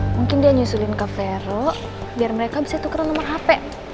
mungkin dia nyusulin ke vero biar mereka bisa tukar nomor hp